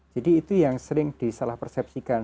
jadi itu yang sering disalah persepsikan